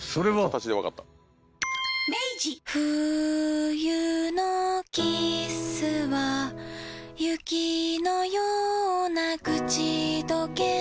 「冬のキッスは雪のようなくちどけ」